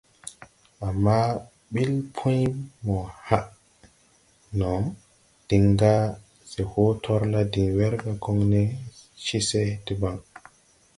Ama ɓil Pũy mo haʼ no diŋ ga se hoo torla diŋ werga koŋne ce se debaŋ.